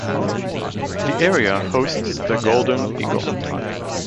The area hosts the golden eagle.